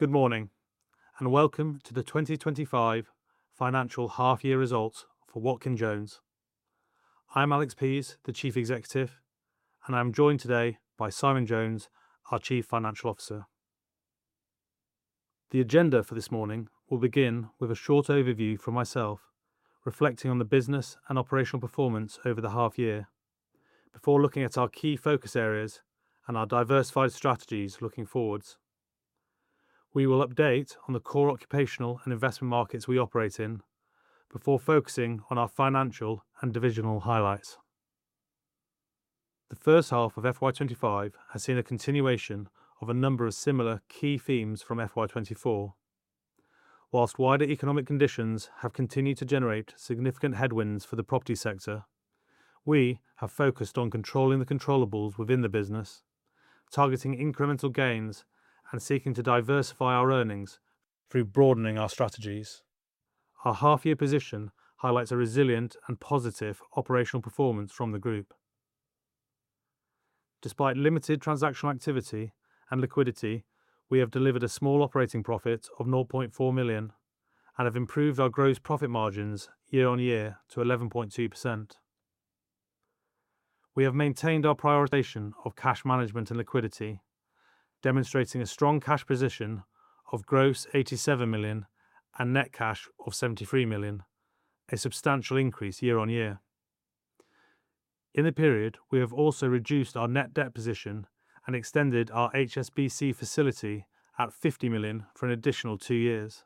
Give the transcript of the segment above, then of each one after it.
Good morning, and welcome to the 2025 financial half-year results for Watkin Jones. I'm Alex Pease, the Chief Executive, and I'm joined today by Simon Jones, our Chief Financial Officer. The agenda for this morning will begin with a short overview from myself, reflecting on the business and operational performance over the half-year, before looking at our key focus areas and our diversified strategies looking forwards. We will update on the core occupational and investment markets we operate in, before focusing on our financial and divisional highlights. The first half of FY 2025 has seen a continuation of a number of similar key themes from FY 2024. Whilst wider economic conditions have continued to generate significant headwinds for the property sector, we have focused on controlling the controllable within the business, targeting incremental gains, and seeking to diversify our earnings through broadening our strategies. Our half-year position highlights a resilient and positive operational performance from the group. Despite limited transactional activity and liquidity, we have delivered a small operating profit of 0.4 million and have improved our gross profit margins year-on-year to 11.2%. We have maintained our prioritization of cash management and liquidity, demonstrating a strong cash position of gross 87 million and net cash of 73 million, a substantial increase year-on-year. In the period, we have also reduced our net debt position and extended our HSBC facility at 50 million for an additional two years.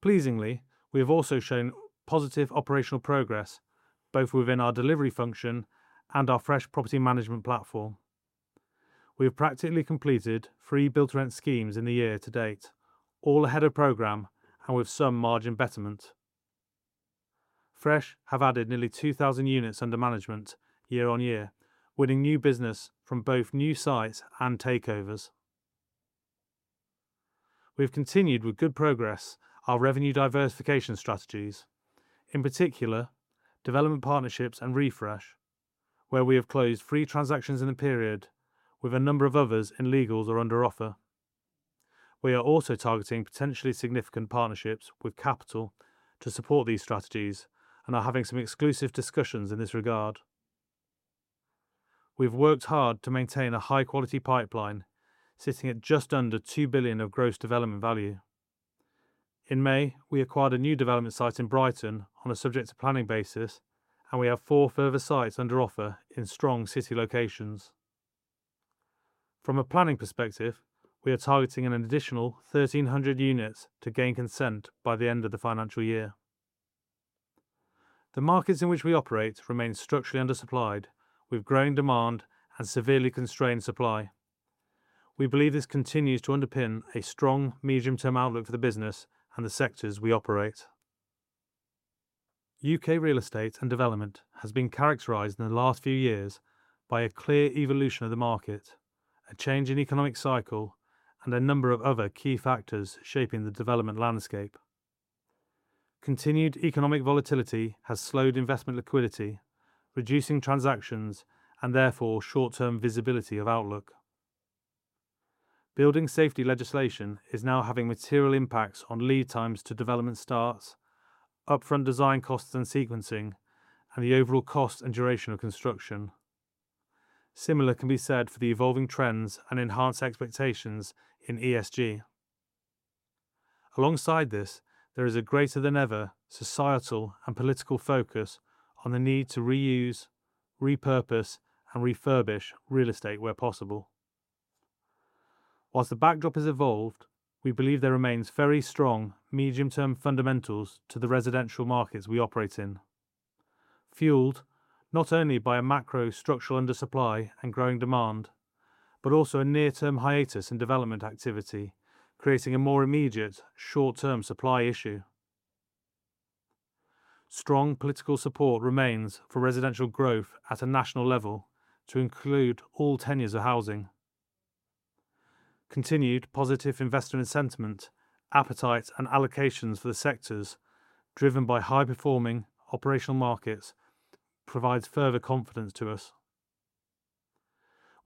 Pleasingly, we have also shown positive operational progress both within our delivery function and our Fresh property management platform. We have practically completed three build to rent schemes in the year to date, all ahead of program and with some margin betterment. Fresh have added nearly 2,000 units under management year-on-year, winning new business from both new sites and takeovers. We have continued with good progress on our revenue diversification strategies, in particular development partnerships and Fresh, where we have closed three transactions in the period, with a number of others in legals or under offer. We are also targeting potentially significant partnerships with capital to support these strategies and are having some exclusive discussions in this regard. We have worked hard to maintain a high-quality pipeline, sitting at just under 2 billion of gross development value. In May, we acquired a new development site in Brighton on a subject-to-planning basis, and we have four further sites under offer in strong city locations. From a planning perspective, we are targeting an additional 1,300 units to gain consent by the end of the financial year. The markets in which we operate remain structurally undersupplied, with growing demand and severely constrained supply. We believe this continues to underpin a strong medium-term outlook for the business and the sectors we operate. U.K. real estate and development has been characterized in the last few years by a clear evolution of the market, a change in economic cycle, and a number of other key factors shaping the development landscape. Continued economic volatility has slowed investment liquidity, reducing transactions and therefore short-term visibility of outlook. Building safety legislation is now having material impacts on lead times to development starts, upfront design costs and sequencing, and the overall cost and duration of construction. Similar can be said for the evolving trends and enhanced expectations in ESG. Alongside this, there is a greater-than-ever societal and political focus on the need to reuse, repurpose, and refurbish real estate where possible. Whilst the backdrop has evolved, we believe there remains very strong medium-term fundamentals to the residential markets we operate in, fueled not only by a macro structural undersupply and growing demand, but also a near-term hiatus in development activity, creating a more immediate short-term supply issue. Strong political support remains for residential growth at a national level to include all tenures of housing. Continued positive investment sentiment, appetite, and allocations for the sectors driven by high-performing operational markets provides further confidence to us.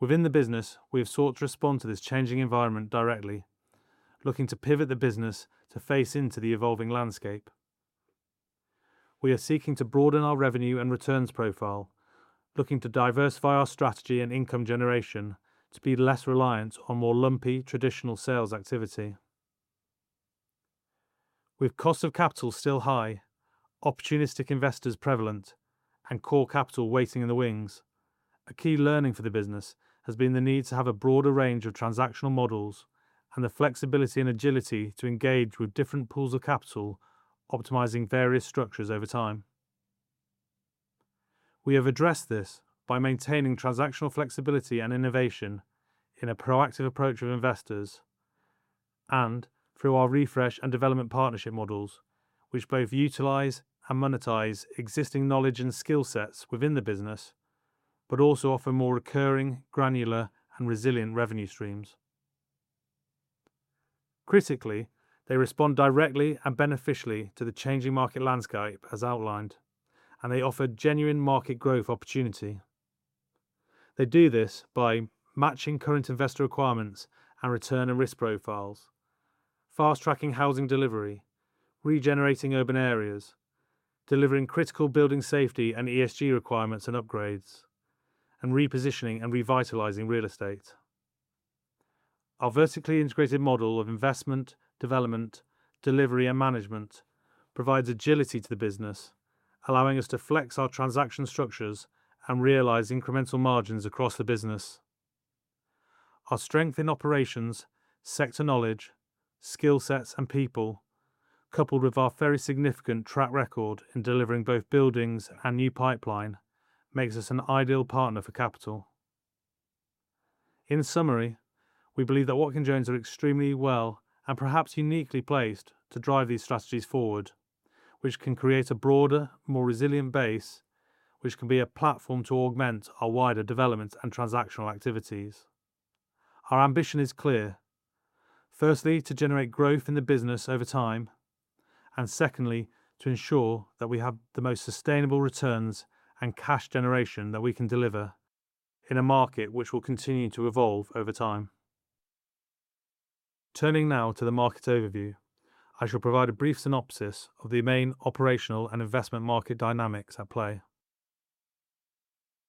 Within the business, we have sought to respond to this changing environment directly, looking to pivot the business to face into the evolving landscape. We are seeking to broaden our revenue and returns profile, looking to diversify our strategy and income generation to be less reliant on more lumpy traditional sales activity. With cost of capital still high, opportunistic investors prevalent, and core capital waiting in the wings, a key learning for the business has been the need to have a broader range of transactional models and the flexibility and agility to engage with different pools of capital, optimizing various structures over time. We have addressed this by maintaining transactional flexibility and innovation in a proactive approach with investors and through our refresh and development partnership models, which both utilize and monetize existing knowledge and skill sets within the business, but also offer more recurring, granular, and resilient revenue streams. Critically, they respond directly and beneficially to the changing market landscape, as outlined, and they offer genuine market growth opportunity. They do this by matching current investor requirements and return and risk profiles, fast-tracking housing delivery, regenerating urban areas, delivering critical building safety and ESG requirements and upgrades, and repositioning and revitalizing real estate. Our vertically integrated model of investment, development, delivery, and management provides agility to the business, allowing us to flex our transaction structures and realize incremental margins across the business. Our strength in operations, sector knowledge, skill sets, and people, coupled with our very significant track record in delivering both buildings and new pipeline, makes us an ideal partner for capital. In summary, we believe that Watkin Jones are extremely well and perhaps uniquely placed to drive these strategies forward, which can create a broader, more resilient base, which can be a platform to augment our wider development and transactional activities. Our ambition is clear: firstly, to generate growth in the business over time, and secondly, to ensure that we have the most sustainable returns and cash generation that we can deliver in a market which will continue to evolve over time. Turning now to the market overview, I shall provide a brief synopsis of the main operational and investment market dynamics at play.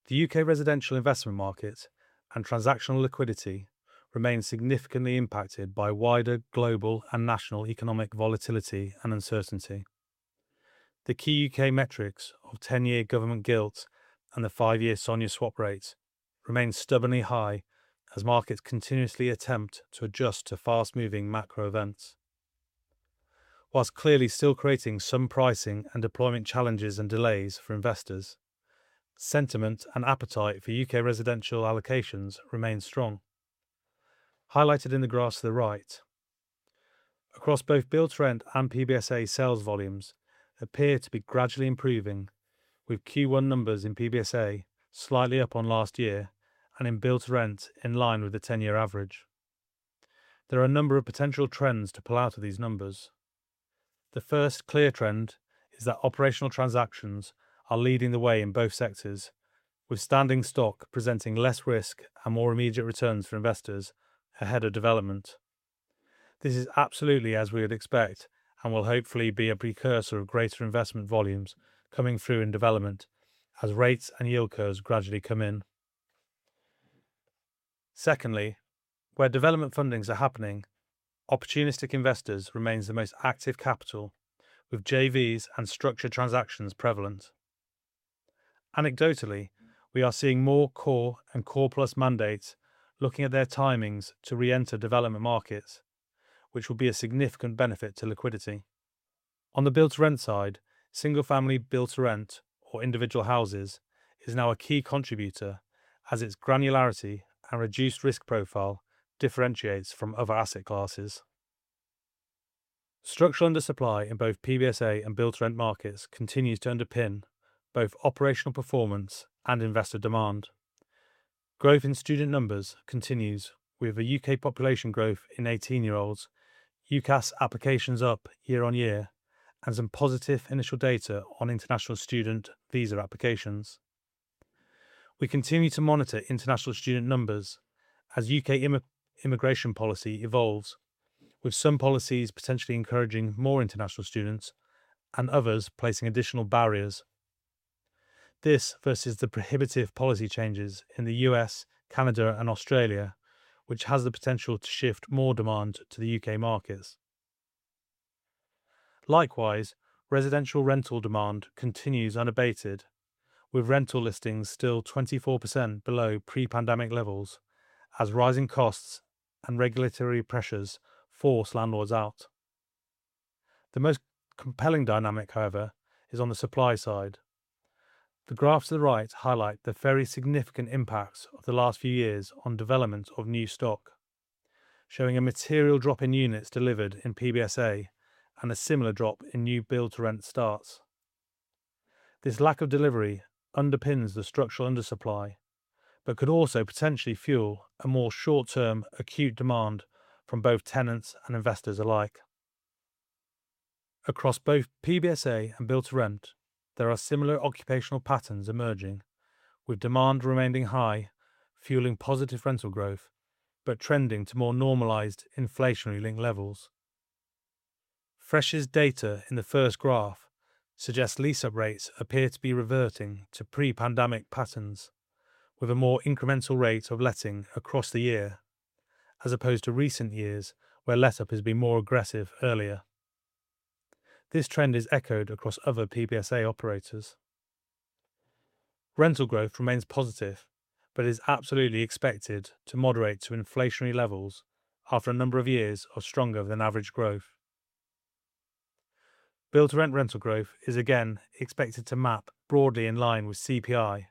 The U.K. residential investment market and transactional liquidity remain significantly impacted by wider global and national economic volatility and uncertainty. The key U.K. metrics of 10-year government gilt and the 5-year SONIA swap rate remain stubbornly high as markets continuously attempt to adjust to fast-moving macro events. Whilst clearly still creating some pricing and deployment challenges and delays for investors, sentiment and appetite for U.K. residential allocations remain strong, highlighted in the graphs to the right. Across both build to rent and PBSA, sales volumes appear to be gradually improving, with Q1 numbers in PBSA slightly up on last year and in build to rent in line with the 10-year average. There are a number of potential trends to pull out of these numbers. The first clear trend is that operational transactions are leading the way in both sectors, with standing stock presenting less risk and more immediate returns for investors ahead of development. This is absolutely as we would expect and will hopefully be a precursor of greater investment volumes coming through in development as rates and yield curves gradually come in. Secondly, where development fundings are happening, opportunistic investors remain the most active capital, with JVs and structured transactions prevalent. Anecdotally, we are seeing more core and core plus mandates looking at their timings to re-enter development markets, which will be a significant benefit to liquidity. On the build to rent side, single-family build to rent or individual houses is now a key contributor as its granularity and reduced risk profile differentiates from other asset classes. Structural undersupply in both PBSA and build to rent markets continues to underpin both operational performance and investor demand. Growth in student numbers continues, with the U.K. population growth in 18-year-olds, UCAS applications up year-on-year, and some positive initial data on international student visa applications. We continue to monitor international student numbers as U.K. immigration policy evolves, with some policies potentially encouraging more international students and others placing additional barriers. This versus the prohibitive policy changes in the U.S., Canada, and Australia, which has the potential to shift more demand to the U.K. markets. Likewise, residential rental demand continues unabated, with rental listings still 24% below pre-pandemic levels as rising costs and regulatory pressures force landlords out. The most compelling dynamic, however, is on the supply side. The graphs to the right highlight the very significant impacts of the last few years on development of new stock, showing a material drop in units delivered in PBSA and a similar drop in new build to rent starts. This lack of delivery underpins the structural undersupply, but could also potentially fuel a more short-term acute demand from both tenants and investors alike. Across both PBSA and build to rent, there are similar occupational patterns emerging, with demand remaining high, fueling positive rental growth, but trending to more normalized inflationary link levels. Fresh's data in the first graph suggests lease-up rates appear to be reverting to pre-pandemic patterns, with a more incremental rate of letting across the year, as opposed to recent years where let-up has been more aggressive earlier. This trend is echoed across other PBSA operators. Rental growth remains positive, but is absolutely expected to moderate to inflationary levels after a number of years of stronger-than-average growth. Build to Rent rental growth is again expected to map broadly in line with CPI,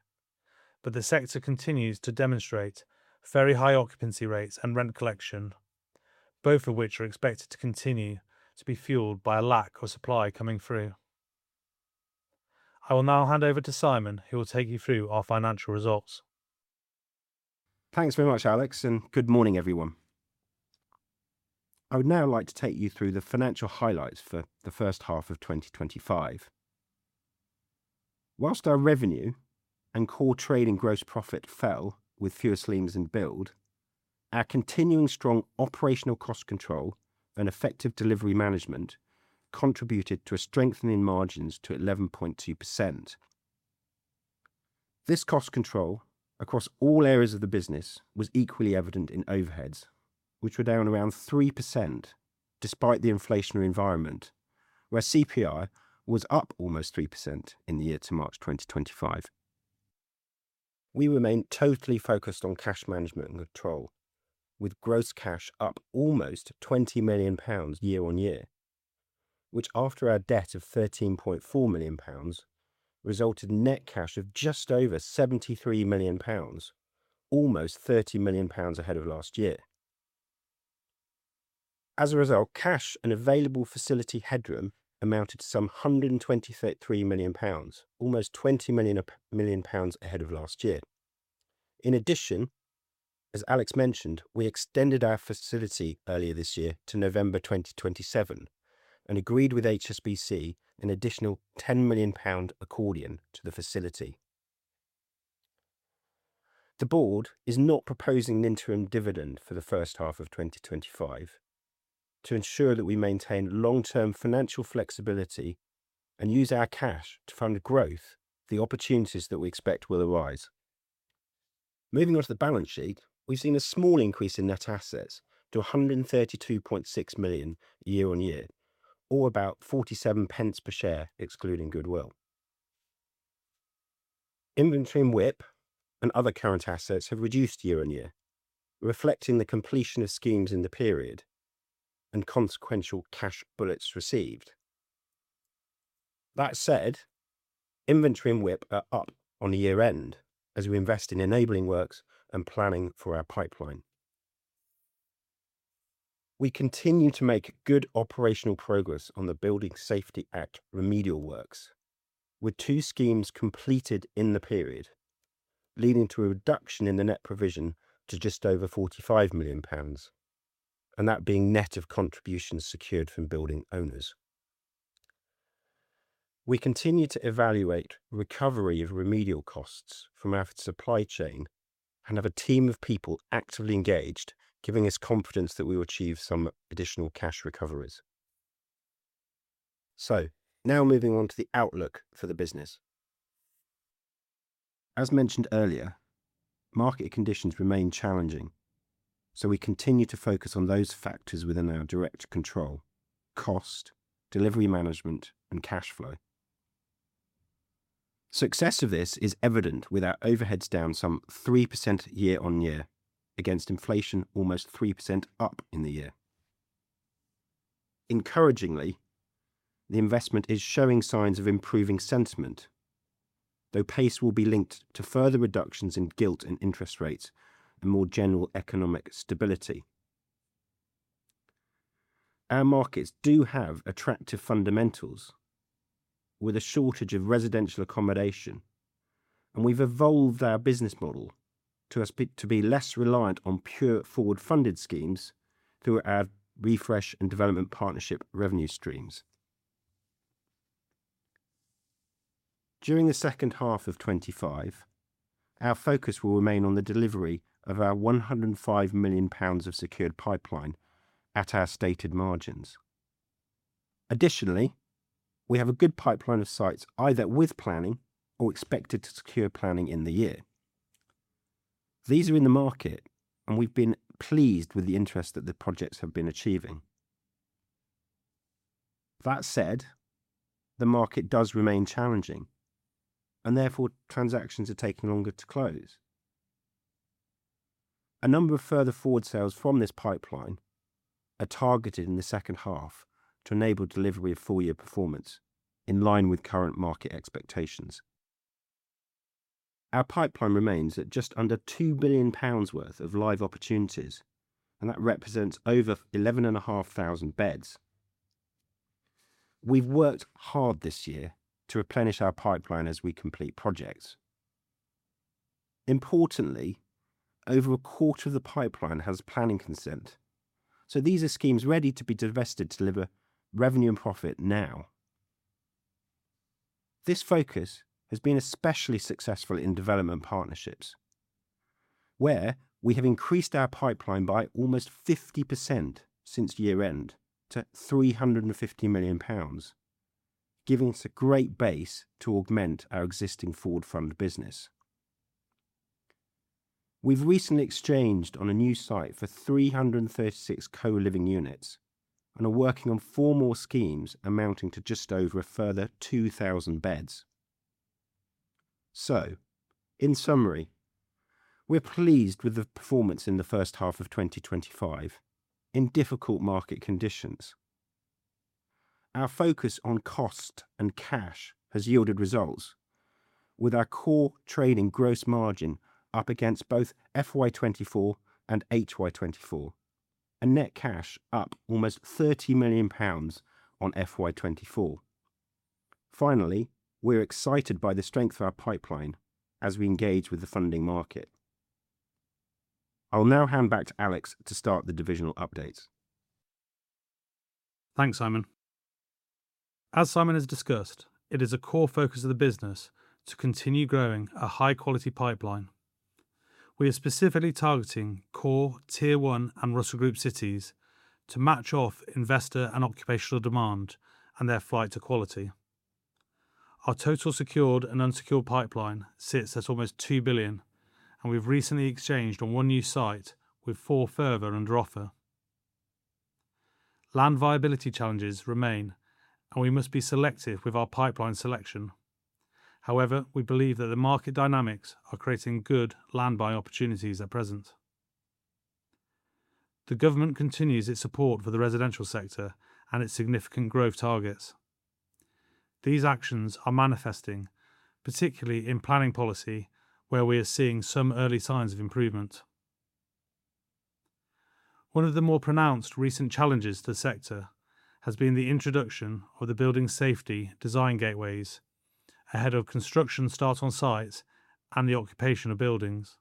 but the sector continues to demonstrate very high occupancy rates and rent collection, both of which are expected to continue to be fueled by a lack of supply coming through. I will now hand over to Simon, who will take you through our financial results. Thanks very much, Alex, and good morning, everyone. I would now like to take you through the financial highlights for the first half of 2025. Whilst our revenue and core trade and gross profit fell with fewer SLIMs in build, our continuing strong operational cost control and effective delivery management contributed to a strengthening margins to 11.2%. This cost control across all areas of the business was equally evident in overheads, which were down around 3% despite the inflationary environment, where CPI was up almost 3% in the year to March 2025. We remain totally focused on cash management and control, with gross cash up almost 20 million pounds year-on-year, which, after our debt of 13.4 million pounds, resulted in net cash of just over 73 million pounds, almost 30 million pounds ahead of last year. As a result, cash and available facility headroom amounted to some 123 million pounds, almost 20 million ahead of last year. In addition, as Alex mentioned, we extended our facility earlier this year to November 2027 and agreed with HSBC an additional 10 million pound accordion to the facility. The board is not proposing an interim dividend for the first half of 2025 to ensure that we maintain long-term financial flexibility and use our cash to fund growth, the opportunities that we expect will arise. Moving on to the balance sheet, we have seen a small increase in net assets to 132.6 million year-on-year, or about 0.47 per share excluding goodwill. Inventory and WIP and other current assets have reduced year-on-year, reflecting the completion of schemes in the period and consequential cash bullets received. That said, inventory and WIP are up on the year-end as we invest in enabling works and planning for our pipeline. We continue to make good operational progress on the Building Safety Act remedial works, with two schemes completed in the period, leading to a reduction in the net provision to just over 45 million pounds, and that being net of contributions secured from building owners. We continue to evaluate recovery of remedial costs from our supply chain and have a team of people actively engaged, giving us confidence that we will achieve some additional cash recoveries. Now moving on to the outlook for the business. As mentioned earlier, market conditions remain challenging, so we continue to focus on those factors within our direct control: cost, delivery management, and cash flow. Success of this is evident with our overheads down some 3% year-on-year against inflation almost 3% up in the year. Encouragingly, the investment is showing signs of improving sentiment, though pace will be linked to further reductions in gilt and interest rates and more general economic stability. Our markets do have attractive fundamentals with a shortage of residential accommodation, and we've evolved our business model to be less reliant on pure forward-funded schemes through our refresh and development partnership revenue streams. During the second half of 2025, our focus will remain on the delivery of our 105 million pounds of secured pipeline at our stated margins. Additionally, we have a good pipeline of sites either with planning or expected to secure planning in the year. These are in the market, and we've been pleased with the interest that the projects have been achieving. That said, the market does remain challenging, and therefore transactions are taking longer to close. A number of further forward sales from this pipeline are targeted in the second half to enable delivery of full-year performance in line with current market expectations. Our pipeline remains at just under 2 billion pounds worth of live opportunities, and that represents over 11,500 beds. We've worked hard this year to replenish our pipeline as we complete projects. Importantly, over a quarter of the pipeline has planning consent, so these are schemes ready to be divested to deliver revenue and profit now. This focus has been especially successful in development partnerships, where we have increased our pipeline by almost 50% since year-end to 350 million pounds, giving us a great base to augment our existing forward-funded business. We have recently exchanged on a new site for 336 co-living units and are working on four more schemes amounting to just over a further 2,000 beds. In summary, we are pleased with the performance in the first half of 2025 in difficult market conditions. Our focus on cost and cash has yielded results, with our core trade and gross margin up against both FY 2024 and HY 2024, and net cash up almost 30 million pounds on FY 2024. Finally, we are excited by the strength of our pipeline as we engage with the funding market. I'll now hand back to Alex to start the divisional updates. Thanks, Simon. As Simon has discussed, it is a core focus of the business to continue growing a high-quality pipeline. We are specifically targeting core, tier one, and Russell Group cities to match off investor and occupational demand and their flight to quality. Our total secured and unsecured pipeline sits at almost 2 billion, and we've recently exchanged on one new site with four further under offer. Land viability challenges remain, and we must be selective with our pipeline selection. However, we believe that the market dynamics are creating good land buying opportunities at present. The government continues its support for the residential sector and its significant growth targets. These actions are manifesting, particularly in planning policy, where we are seeing some early signs of improvement. One of the more pronounced recent challenges to the sector has been the introduction of the building safety design gateways ahead of construction start on sites and the occupation of buildings.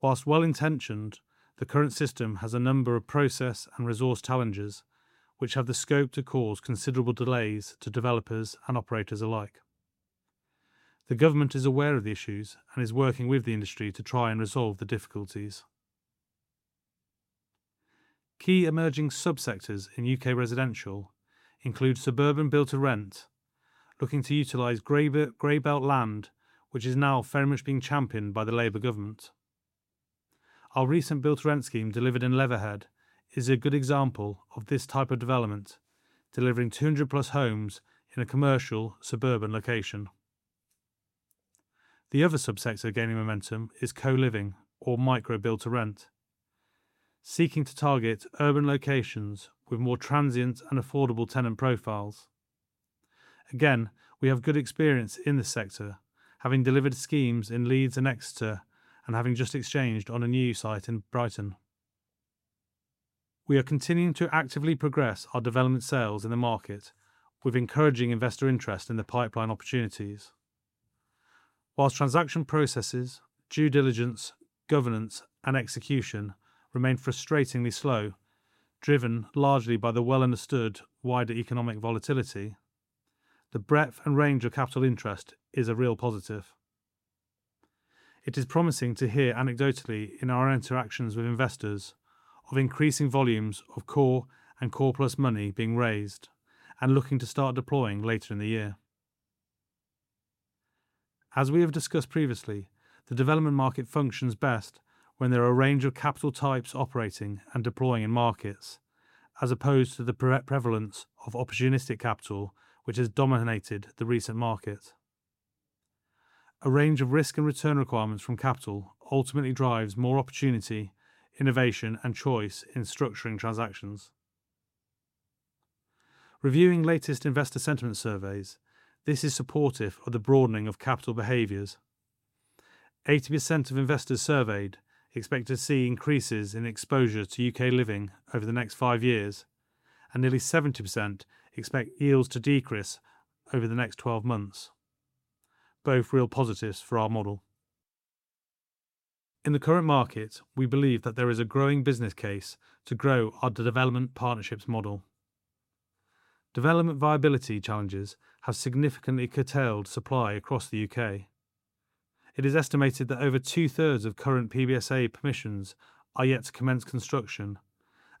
Whilst well-intentioned, the current system has a number of process and resource challenges, which have the scope to cause considerable delays to developers and operators alike. The government is aware of the issues and is working with the industry to try and resolve the difficulties. Key emerging subsectors in U.K. residential include suburban build to rent, looking to utilize grey belt land, which is now very much being championed by the Labour government. Our recent build to rent scheme delivered in Leatherhead is a good example of this type of development, delivering 200+ homes in a commercial suburban location. The other subsector gaining momentum is co-living, or micro build to rent, seeking to target urban locations with more transient and affordable tenant profiles. Again, we have good experience in this sector, having delivered schemes in Leeds and Exeter and having just exchanged on a new site in Brighton. We are continuing to actively progress our development sales in the market, with encouraging investor interest in the pipeline opportunities. Whilst transaction processes, due diligence, governance, and execution remain frustratingly slow, driven largely by the well-understood wider economic volatility, the breadth and range of capital interest is a real positive. It is promising to hear anecdotally in our interactions with investors of increasing volumes of core and core plus money being raised and looking to start deploying later in the year. As we have discussed previously, the development market functions best when there are a range of capital types operating and deploying in markets, as opposed to the prevalence of opportunistic capital, which has dominated the recent market. A range of risk and return requirements from capital ultimately drives more opportunity, innovation, and choice in structuring transactions. Reviewing latest investor sentiment surveys, this is supportive of the broadening of capital behaviors. 80% of investors surveyed expect to see increases in exposure to U.K. living over the next five years, and nearly 70% expect yields to decrease over the next 12 months, both real positives for our model. In the current market, we believe that there is a growing business case to grow our development partnerships model. Development viability challenges have significantly curtailed supply across the U.K. It is estimated that over two-thirds of current PBSA permissions are yet to commence construction,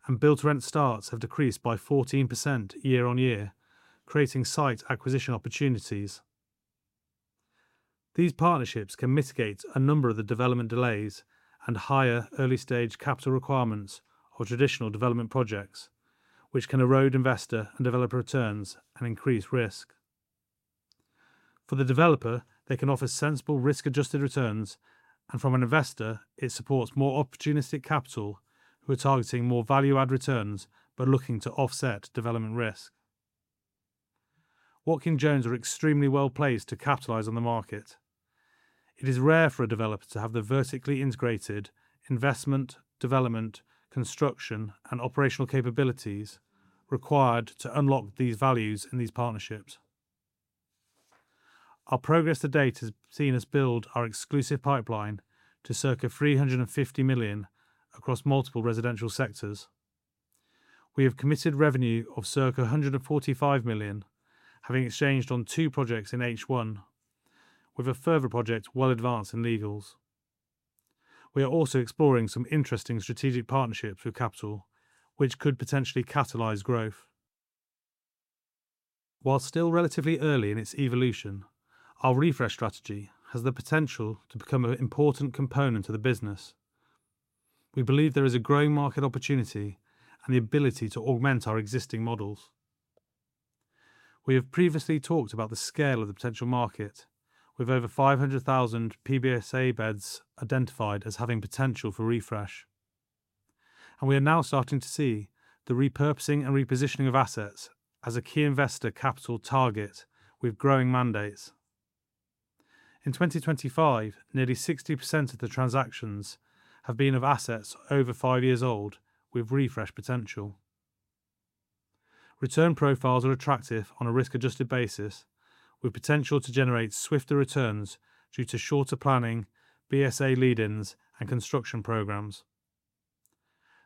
and build to rent starts have decreased by 14% year-on-year, creating site acquisition opportunities. These partnerships can mitigate a number of the development delays and higher early-stage capital requirements of traditional development projects, which can erode investor and developer returns and increase risk. For the developer, they can offer sensible risk-adjusted returns, and from an investor, it supports more opportunistic capital who are targeting more value-add returns but looking to offset development risk. Watkin Jones are extremely well placed to capitalize on the market. It is rare for a developer to have the vertically integrated investment, development, construction, and operational capabilities required to unlock these values in these partnerships. Our progress to date has seen us build our exclusive pipeline to circa 350 million across multiple residential sectors. We have committed revenue of circa 145 million, having exchanged on two projects in H1, with a further project well advanced in legals. We are also exploring some interesting strategic partnerships with capital, which could potentially catalyze growth. While still relatively early in its evolution, our refresh strategy has the potential to become an important component of the business. We believe there is a growing market opportunity and the ability to augment our existing models. We have previously talked about the scale of the potential market, with over 500,000 PBSA beds identified as having potential for refresh. We are now starting to see the repurposing and repositioning of assets as a key investor capital target with growing mandates. In 2025, nearly 60% of the transactions have been of assets over five years old with refresh potential. Return profiles are attractive on a risk-adjusted basis, with potential to generate swifter returns due to shorter planning, Building Safety Act lead-ins, and construction programs.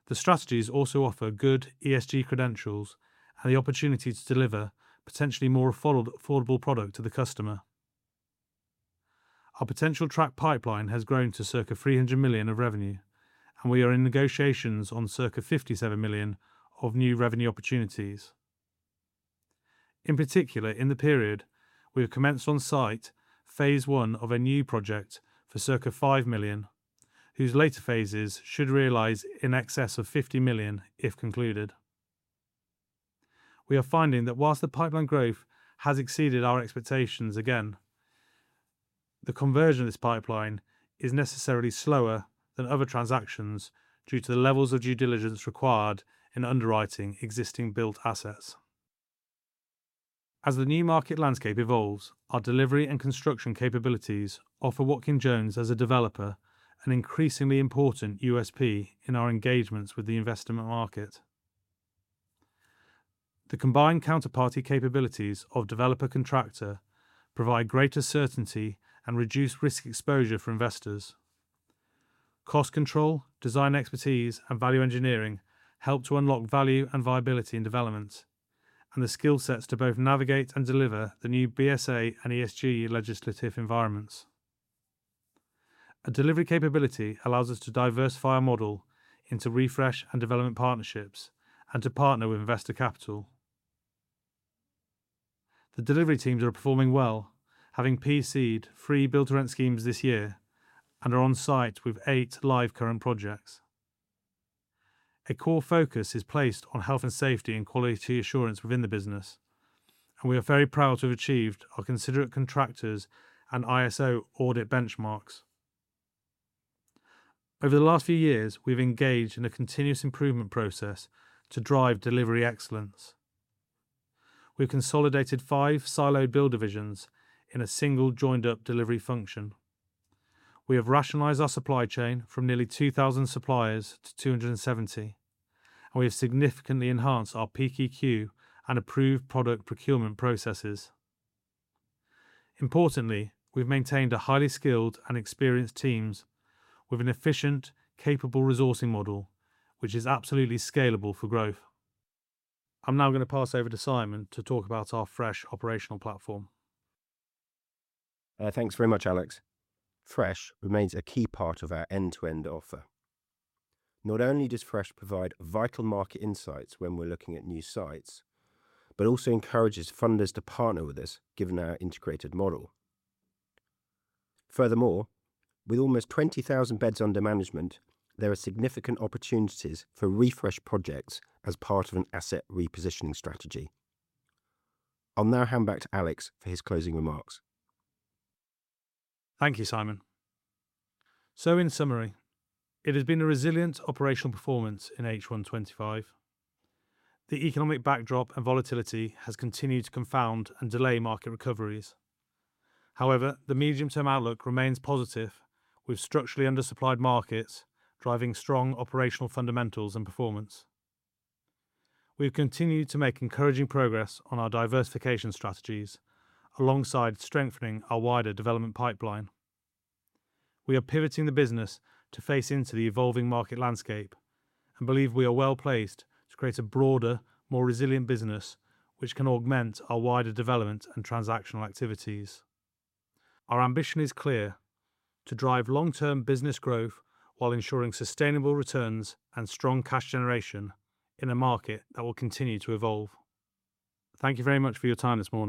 The strategies also offer good ESG credentials and the opportunity to deliver potentially more affordable product to the customer. Our potential track pipeline has grown to circa 300 million of revenue, and we are in negotiations on circa 57 million of new revenue opportunities. In particular, in the period, we have commenced on site phase one of a new project for circa 5 million, whose later phases should realize in excess of 50 million if concluded. We are finding that whilst the pipeline growth has exceeded our expectations again, the conversion of this pipeline is necessarily slower than other transactions due to the levels of due diligence required in underwriting existing built assets. As the new market landscape evolves, our delivery and construction capabilities offer Watkin Jones as a developer an increasingly important USP in our engagements with the investment market. The combined counterparty capabilities of developer-contractor provide greater certainty and reduced risk exposure for investors. Cost control, design expertise, and value engineering help to unlock value and viability in development, and the skill sets to both navigate and deliver the new Building Safety Act and ESG legislative environments. A delivery capability allows us to diversify our model into refresh and development partnerships and to partner with investor capital. The delivery teams are performing well, having PC'd three build-to-rent schemes this year and are on site with eight live current projects. A core focus is placed on health and safety and quality assurance within the business, and we are very proud to have achieved our considerate contractors and ISO audit benchmarks. Over the last few years, we've engaged in a continuous improvement process to drive delivery excellence. We've consolidated five siloed build divisions in a single joined-up delivery function. We have rationalized our supply chain from nearly 2,000 suppliers to 270, and we have significantly enhanced our peak EQ and approved product procurement processes. Importantly, we've maintained highly skilled and experienced teams with an efficient, capable resourcing model, which is absolutely scalable for growth. I'm now going to pass over to Simon to talk about our Fresh operational platform. Thanks very much, Alex. Fresh remains a key part of our end-to-end offer. Not only does Fresh provide vital market insights when we're looking at new sites, but also encourages funders to partner with us given our integrated model. Furthermore, with almost 20,000 beds under management, there are significant opportunities for refresh projects as part of an asset repositioning strategy. I'll now hand back to Alex for his closing remarks. Thank you, Simon. In summary, it has been a resilient operational performance in H1 2025. The economic backdrop and volatility has continued to confound and delay market recoveries. However, the medium-term outlook remains positive, with structurally undersupplied markets driving strong operational fundamentals and performance. We have continued to make encouraging progress on our diversification strategies alongside strengthening our wider development pipeline. We are pivoting the business to face into the evolving market landscape and believe we are well placed to create a broader, more resilient business, which can augment our wider development and transactional activities. Our ambition is clear: to drive long-term business growth while ensuring sustainable returns and strong cash generation in a market that will continue to evolve. Thank you very much for your time this morning.